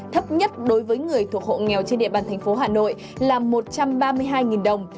thấp nhất đối với người thuộc hộ nghèo trên địa bàn thành phố hà nội là một trăm ba mươi hai đồng